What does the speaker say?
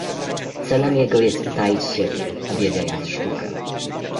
Celem jego jest utaić siebie, objawiając sztukę.